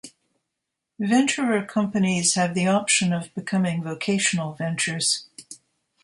Venturer companies have the option of becoming vocational ventures.